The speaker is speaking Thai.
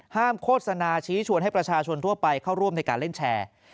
โฆษณาชี้ชวนให้ประชาชนทั่วไปเข้าร่วมในการเล่นแชร์